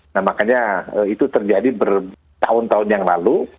nah makanya itu terjadi bertahun tahun yang lalu